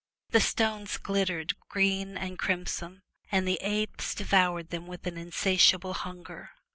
The stones glittered green and crimson, and the apes devoured them with an in satiable hunger.